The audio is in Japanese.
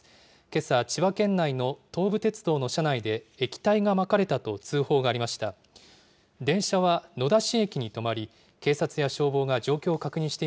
けさ、千葉県内の東武鉄道の車内で、液体がまかれたと通報がありました。